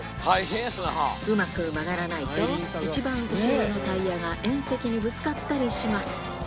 うまく曲がらないと、一番後ろのタイヤが縁石にぶつかったりします。